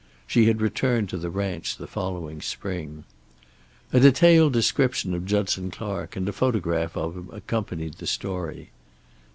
She had returned to the ranch the following spring. A detailed description of Judson Clark, and a photograph of him accompanied the story.